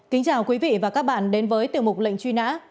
kính chào quý vị và các bạn đến với tiểu mục lệnh truy nã